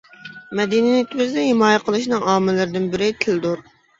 مەدەنىيىتىمىزنى ھىمايە قىلىشنىڭ ئامىللىرىدىن بىرى تىلدۇر.